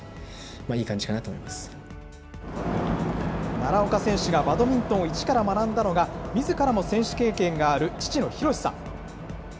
奈良岡選手がバドミントンを一から学んだのが、みずからも選手経験のある父の浩さん。